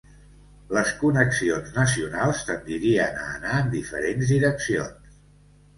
Les connexions nacionals tendirien a anar en diferents direccions.